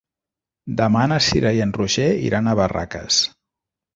Demà na Cira i en Roger iran a Barraques.